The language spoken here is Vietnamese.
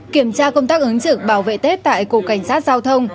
kiểm tra công tác ứng trực bảo vệ tết tại cục cảnh sát giao thông